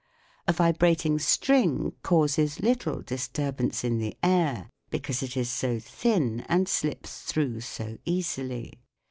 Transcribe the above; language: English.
A vibrating string causes little disturbance in the air, because it is so thin and slips through so easily.